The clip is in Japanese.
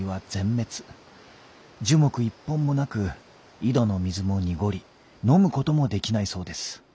樹木一本もなく井戸の水も濁り飲むこともできないそうです」。